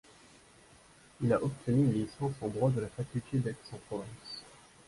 Il a obtenu une licence en droit de la faculté d’Aix-en-Provence.